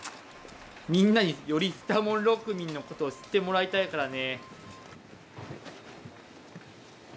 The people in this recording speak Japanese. みんなによりスタモンロックミンのことを知ってもらいたいからね。